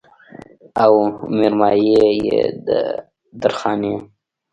او مېرمايي يې د درخانۍ